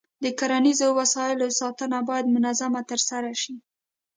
د کرنیزو وسایلو ساتنه باید منظم ترسره شي.